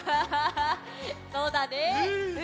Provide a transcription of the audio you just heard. そうだね。